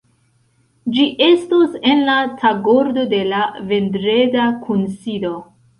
Ĝi estos en la tagordo de la vendreda kunsido.